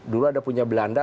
dulu ada punya belanda